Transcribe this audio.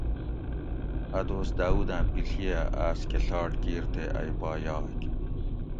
اۤ دوس داؤداۤں پیڷی ھہ آس کہ ڷاٹ کِیر تے ائ پا یاگ